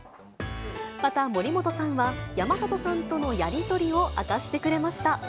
また、森本さんは、山里さんとのやり取りを明かしてくれました。